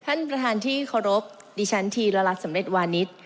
ท่านประธานที่เคารพดิฉันธีรรัฐสำเร็จวานิส